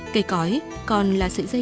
cây cói còn là sợi dây